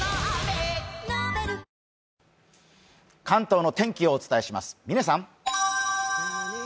関東の天気をお伝えします。